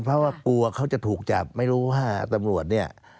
เพราะว่ากลัวเขาจะถูกจับไม่รู้ว่าตำรวจเนี่ย